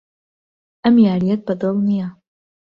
ئەم یارییەت بەدڵ نییە.